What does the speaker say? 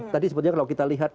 tadi sebetulnya kalau kita lihat